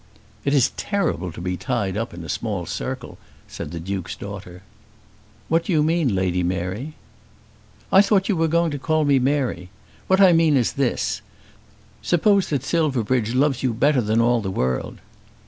"It is terrible to be tied up in a small circle," said the Duke's daughter. "What do you mean, Lady Mary?" "I thought you were to call me Mary. What I mean is this. Suppose that Silverbridge loves you better than all the world."